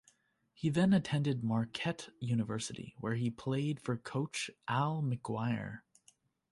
He then attended Marquette University, where he played for coach Al McGuire.